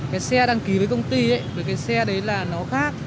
cái xe đăng ký với công ty với cái xe đấy là nó khác